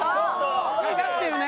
かかってるね。